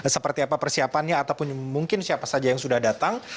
seperti apa persiapannya ataupun mungkin siapa saja yang sudah datang